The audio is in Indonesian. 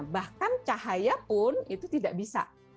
bahkan cahaya pun itu tidak bisa